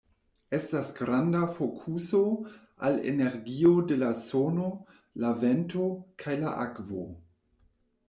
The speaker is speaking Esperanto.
Estas granda fokuso al energio de la sono, la vento, kaj la akvo.